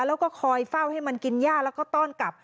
แล้วก็คอยเฝ้าให้มันกินย่าแล้วก็ต้อนกลับ